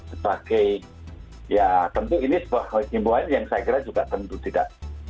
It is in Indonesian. sebagai ya tentu ini sebuah himbuan yang saya kira juga tentu tidak